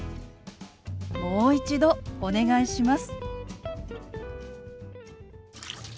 「もう一度お願いします」。